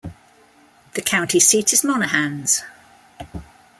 The county seat is Monahans.